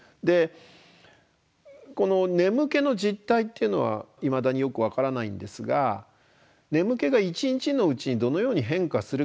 この眠気の実体っていうのはいまだによく分からないんですが眠気が一日のうちにどのように変化するかということはですね